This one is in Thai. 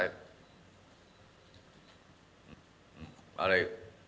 อ่าอะไร